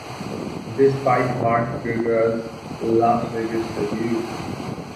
This fight marked Girgrah's Las Vegas debut.